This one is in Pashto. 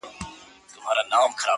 تر نظر يې تېروله ټول كونجونه؛